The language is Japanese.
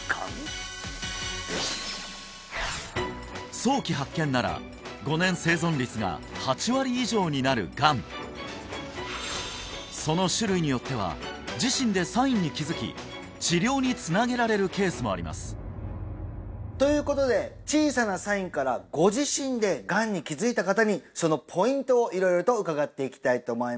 早期発見なら５年生存率が８割以上になるがんその種類によっては自身でありますということで小さなサインからご自身でがんに気づいた方にそのポイントを色々と伺っていきたいと思います